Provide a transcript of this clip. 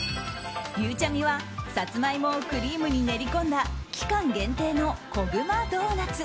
ゆうちゃみは、サツマイモをクリームに練り込んだ期間限定のコグマドーナツ。